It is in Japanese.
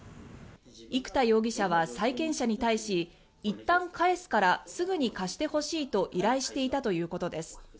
生田容疑者は債権者に対しいったん返すからすぐに貸してほしいと依頼していたということです。